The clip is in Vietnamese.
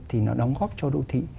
thì nó đóng góp cho đô thị